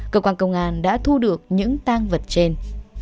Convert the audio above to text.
cơ quan công an đã thu được những tăng vật trên